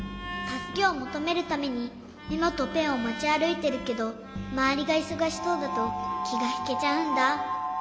たすけをもとめるためにメモとペンをもちあるいてるけどまわりがいそがしそうだときがひけちゃうんだ。